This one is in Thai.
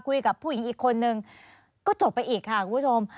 คุยกับผู้หญิงอีกคนนึงก็จบไปอีกค่ะคุณผู้ชม